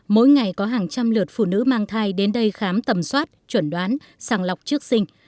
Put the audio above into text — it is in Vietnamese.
mỗi ngày có hàng trăm lượt phụ nữ mang thai đến đây khám tầm soát chuẩn đoán sàng lọc trước sinh